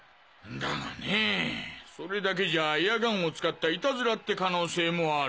だがねぇそれだけじゃあエアガンを使ったイタズラって可能性もある。